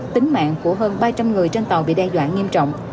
tính mạng của hơn ba trăm linh người trên tàu bị đe dọa nghiêm trọng